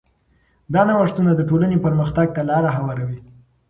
دا نوښتونه د ټولنې پرمختګ ته لاره هواروي.